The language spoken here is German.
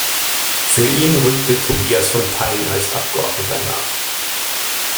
Für ihn rückte Tobias von Pein als Abgeordneter nach.